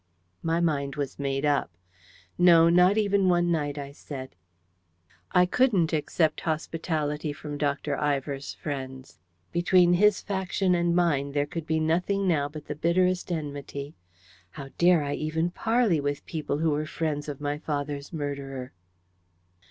My mind was made up. "No, not even one night," I said. I couldn't accept hospitality from Dr. Ivor's friends. Between his faction and mine there could be nothing now but the bitterest enmity. How dare I even parley with people who were friends of my father's murderer?